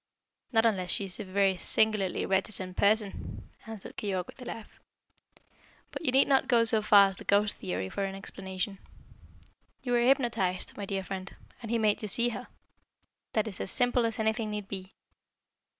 "Not unless she is a very singularly reticent person," answered Keyork, with a laugh. "But you need not go so far as the ghost theory for an explanation. You were hypnotised, my dear friend, and he made you see her. That is as simple as anything need be."